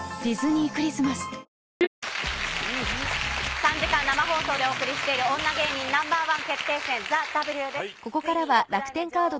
３時間生放送でお送りしている女芸人Ｎｏ．１決定戦ＴＨＥＷです。